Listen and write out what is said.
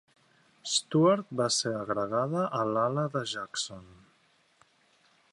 Stuart va ser agregada a l'ala de Jackson.